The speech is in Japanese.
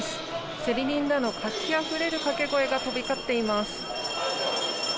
競り人らの活気あふれる掛け声が飛び交っています。